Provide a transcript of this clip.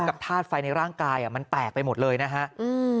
ธาตุไฟในร่างกายอ่ะมันแตกไปหมดเลยนะฮะอืม